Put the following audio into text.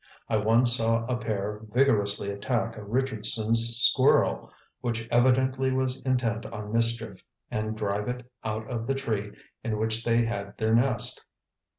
I once saw a pair vigorously attack a Richardson's squirrel, which evidently was intent on mischief, and drive it out of the tree in which they had their nest.